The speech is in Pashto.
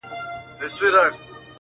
چي لاپي مو د تورو او جرګو ورته کولې٫